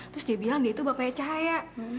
terus dia bilang dia itu bapaknya cahaya